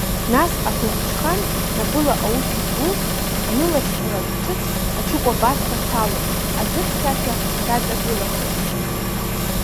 Нас ахәымҽхан, напыла аус изур, анылашьцалак ҿыц аҽыкәабарҭа дҭалон, аӡы хьшәашәа даҵагылахырц.